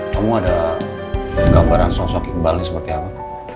kamu ada gambaran sosok iqbal ini seperti apa